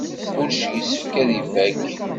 Kullec yessefk ad ifak.